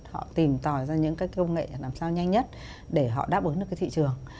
họ tìm tòi ra những cái công nghệ làm sao nhanh nhất để họ đáp ứng được cái thị trường